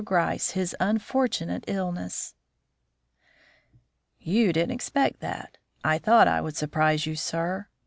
GRYCE HIS UNFORTUNATE ILLNESS "You didn't expect that? I thought I would surprise you, sir.